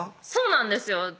そうなんですよ